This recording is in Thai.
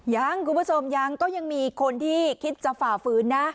คุณผู้ชมยังก็ยังมีคนที่คิดจะฝ่าฝืนนะ